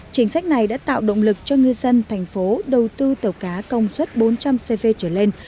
chính sách này đã tạo động lực cho ngư dân thành phố đầu tư tàu cá công suất bốn trăm linh cv trở lên